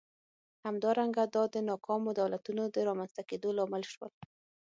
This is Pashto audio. همدارنګه دا د ناکامو دولتونو د رامنځته کېدو لامل شول.